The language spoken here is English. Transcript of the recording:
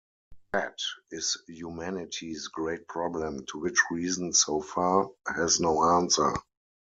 That, is humanity's great problem, to which reason so far, has no answer.